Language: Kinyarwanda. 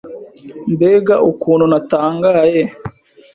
Mbega ukuntu natangaye